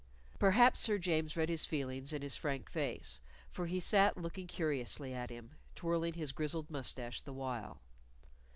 Perhaps Sir James read his feelings in his frank face, for he sat looking curiously at him, twirling his grizzled mustache the while.